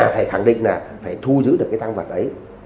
phải thu giữ được cái thang vạch ấy